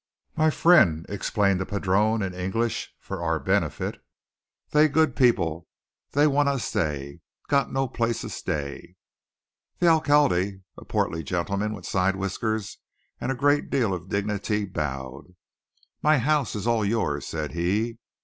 "My fren'," explained the padrone in English, for our benefit, "they good peepele. They wan' estay. Got no place estay." The alcalde, a portly gentleman with side whiskers and a great deal of dignity, bowed. "My house is all yours," said he.